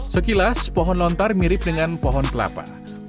sekilas pohon lontar mirip dengan pohon kelapa